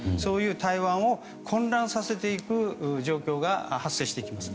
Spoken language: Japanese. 台湾を混乱させていく状況が発生していきます。